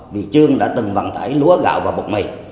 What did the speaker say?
vì trương đã từng vận tải lúa gạo và bột mì